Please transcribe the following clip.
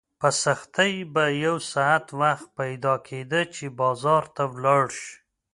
په سختۍ به یو ساعت وخت پیدا کېده چې بازار ته ولاړ شې.